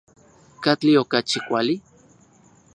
¿Katli okachi kuali?